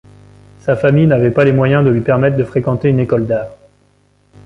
Sa famille n'avait pas les moyens de lui permettre de fréquenter une école d'art.